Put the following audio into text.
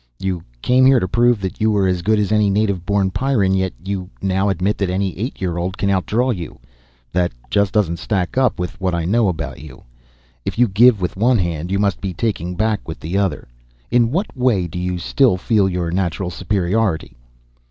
"You came here to prove that you were as good as any native born Pyrran. Yet now you admit that any eight year old can outdraw you. That just doesn't stack up with what I know about you. If you give with one hand, you must be taking back with the other. In what way do you still feel your natural superiority?"